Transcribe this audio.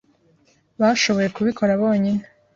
Bashoboye kubikora bonyine.